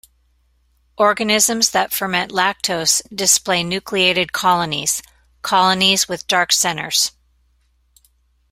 Organisms that ferment lactose display "nucleated colonies"-colonies with dark centers.